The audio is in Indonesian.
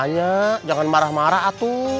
enggak jangan marah marah atu